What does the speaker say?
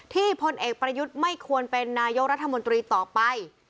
พลเอกประยุทธ์ไม่ควรเป็นนายกรัฐมนตรีต่อไป